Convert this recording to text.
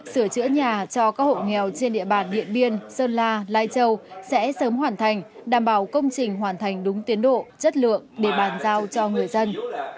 sửa chữa nhà cho các hộ nghèo trên địa bàn điện biên sơn la lai châu sẽ sớm hoàn thành đảm bảo công trình hoàn thành đúng tiến độ chất lượng để bàn giao cho người dân